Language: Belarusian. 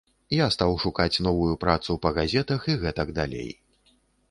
Я стаў шукаць новую працу, па газетах і гэтак далей.